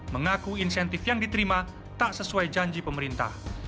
mengaku insentif yang diterima tak sesuai janji pemerintah